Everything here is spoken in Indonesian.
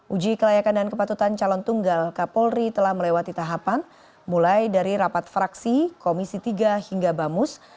uji kelayakan dan kepatutan calon tunggal kapolri telah melewati tahapan mulai dari rapat fraksi komisi tiga hingga bamus